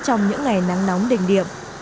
trong những ngày nắng nóng đỉnh điểm